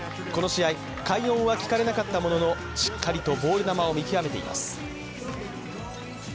この試合、快音は聞かれなかったもののしっかりとボール球を見極めています。